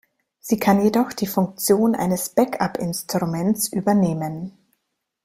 Sie kann jedoch die Funktion eines Backup-Instruments übernehmen.